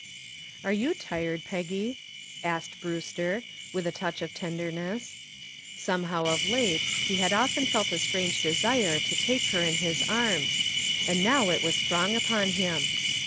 "Are you tired, Peggy?" asked Brewster, with a touch of tenderness. Somehow of late he had often felt a strange desire to take her in his arms, and now it was strong upon him.